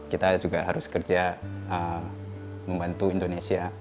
kita juga harus kerja membantu indonesia